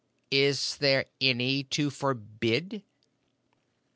Is there any to forbid?"